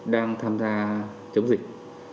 đang tham gia chống dịch